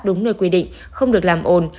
đúng nơi quy định không được làm ồn